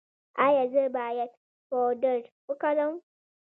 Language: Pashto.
ایا زه باید پاوډر وکاروم؟